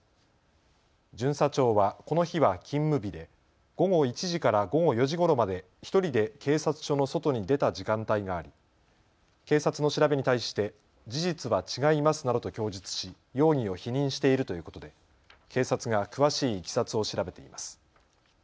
巡査長はこの日は勤務日で午後１時から午後４時ごろまで１人で警察署の外に出た時間帯があり警察の調べに対して事実は違いますなどと供述し容疑を否認しているということで警察が詳しいいきさつを調べています。